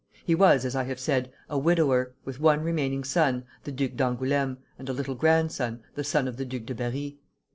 He was, as I have said, a widower, with one remaining son, the Duc d'Angoulême, and a little grandson, the son of the Duc de Berri.